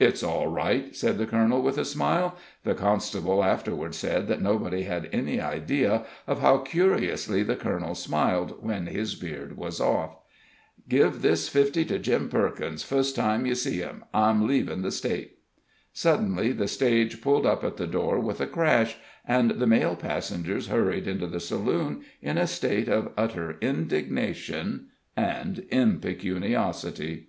"It's all right," said the colonel, with a smile. The constable afterward said that nobody had any idea of how curiously the colonel smiled when his beard was off. "Give this fifty to Jim Perkins fust time yer see him? I'm leavin' the State." Suddenly the stage pulled up at the door with a crash, and the male passengers hurried into the saloon, in a state of utter indignation and impecuniosity.